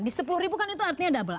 di sepuluh ribu kan itu artinya double